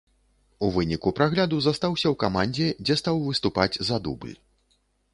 У выніку прагляду застаўся ў камандзе, дзе стаў выступаць за дубль.